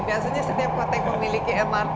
biasanya setiap kota yang memiliki mrt